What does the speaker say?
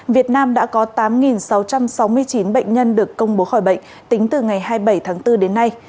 việt nam đã có tám sáu trăm sáu mươi chín bệnh nhân được công bố khỏi bệnh tính từ ngày hai mươi bảy tháng bốn đến nay